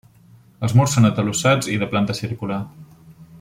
Els murs són atalussats i de planta circular.